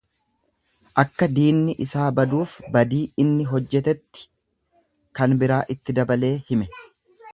Akka diinni isaa baduuf badii inni hojjetetti kan biraa itti dabalee hime.